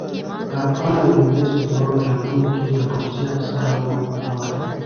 د افغان او انګلیس په دواړو جنګونو کې د روسي افسرانو حضور.